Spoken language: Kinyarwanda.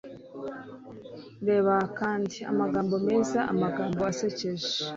Reba kandi: amagambo meza, amagambo asekeje